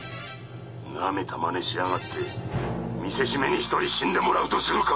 なめたマネしやがって見せしめに１人死んでもらうとするか！